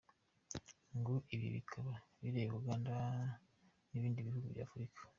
Ngo ibi bikaba bireba Uganda n’ibindi bihugu by’Afurika.